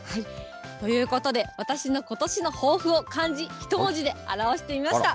ということで、私のことしの抱負を漢字１文字で表してみました。